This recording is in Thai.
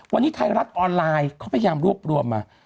วันนี้ไทยรัฐออนไลน์เขาพยายามรวบรวมมา